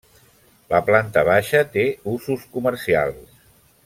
La planta baixa té usos comercials.